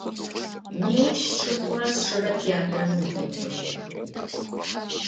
Nêuş sşşıpxhure sşşıre têatram zedek'oştıx.